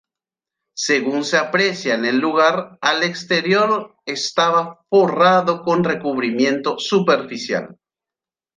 Según se aprecia en el lugar, al exterior estaba forrado con recubrimiento superficial.